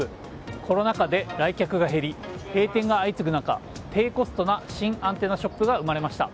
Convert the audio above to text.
コロナ禍で来客が減り閉店が相次ぐ中低コストな新アンテナショップが生まれました。